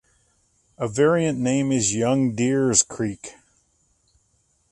A variant name is "Young Deers Creek".